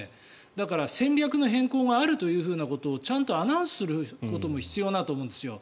だから戦略の変更があることをちゃんとアナウンスすることも必要だと思うんですよ。